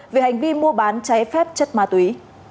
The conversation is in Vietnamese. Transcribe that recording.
về hành vi mua bán trái phép chất ma túy